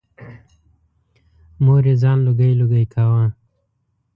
مور یې ځان لوګی لوګی کاوه.